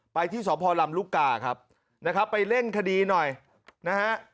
ไปที่สพลำลูกกาครับนะครับไปเร่งคดีหน่อยนะฮะ